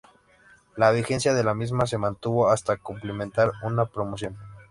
La vigencia de la misma se mantuvo hasta cumplimentar una promoción.